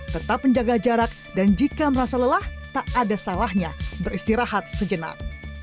tetap menjaga jarak dan jika merasa lelah tak ada salahnya beristirahat sejenak